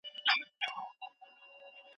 نامالوم مواد په علمي ډول معلوم کړه.